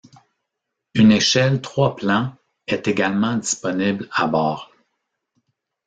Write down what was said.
Une échelle trois plans est également disponible à bord.